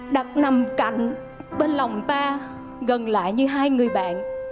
đặt nằm cạnh bên lòng ta gần lại như hai người bạn